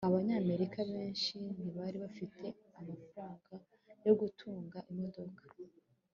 abanyamerika benshi ntibari bafite amafaranga yo gutunga imodoka